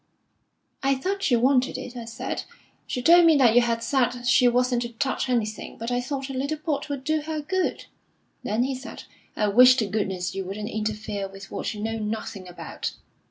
'I thought she wanted it,' I said. 'She told me that you had said she wasn't to touch anything, but I thought a little port would do her good.' Then he said, 'I wish to goodness you wouldn't interfere with what you know nothing about.'